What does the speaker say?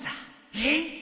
えっ！？